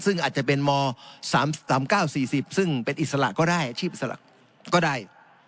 ซึ่งอาจจะเป็นม๓๙๔๐ซึ่งเป็นอิสระก็ได้อาชีพอิสระก็ได้